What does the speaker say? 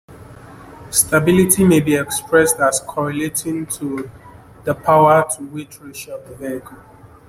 Stability may be expressed as correlating to the power-to-weight ratio of the vehicle.